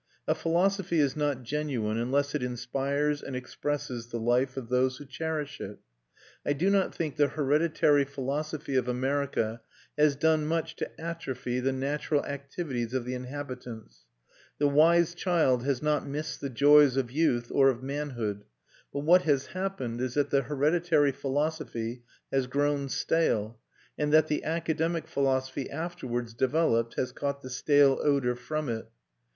A philosophy is not genuine unless it inspires and expresses the life of those who cherish it. I do not think the hereditary philosophy of America has done much to atrophy the natural activities of the inhabitants; the wise child has not missed the joys of youth or of manhood; but what has happened is that the hereditary philosophy has grown stale, and that the academic philosophy afterwards developed has caught the stale odour from it.